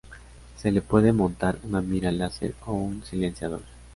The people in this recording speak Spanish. Se le puede montar una mira láser o un silenciador.